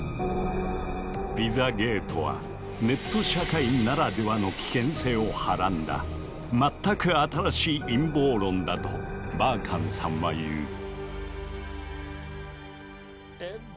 「ピザゲート」はネット社会ならではの危険性をはらんだ全く新しい陰謀論だとバーカンさんは言う。